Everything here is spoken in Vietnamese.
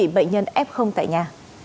dịch bệnh nhân f tại nhà